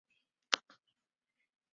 民国时期广东军阀陈济棠三子。